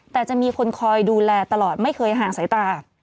แต่จะมีคนคอยดูแลตลอดไม่เคยห่างสายตา